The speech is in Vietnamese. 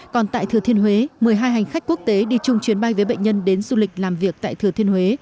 còn tại thừa thiên huế một mươi hai hành khách quốc tế đi chung chuyến bay với bệnh nhân đến du lịch làm việc tại thừa thiên huế